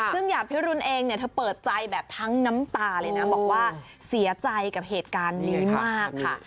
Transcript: ซึ่งอย่างพี่รุนเองเนี่ยเธอเปิดใจแบบทั้งน้ำตาเลยนะบอกว่าเสียใจกับเหตุการณ์นี้มากค่ะ